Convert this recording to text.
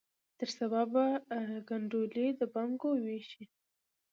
تر سبا به کنډولي د بنګو ویشي